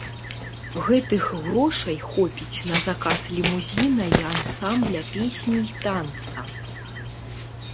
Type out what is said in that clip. Гэтых грошай хопіць на заказ лімузіна і ансамбля песні і танца.